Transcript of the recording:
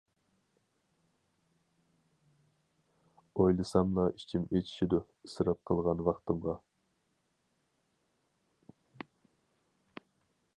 ئويلىساملا ئىچىم ئىچىشىدۇ ئىسراپ قىلغان ۋاقتىمغا.